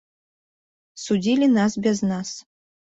Судзілі нас без нас.